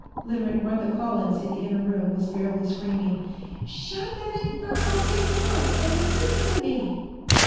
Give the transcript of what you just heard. Literate Martha Collins, in the inner room, was fairly screaming: "Shut that infernal thing off and listen to me!"